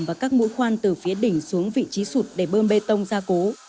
và các mũi khoan từ phía đỉnh xuống vị trí sụt để bơm bê tông ra cố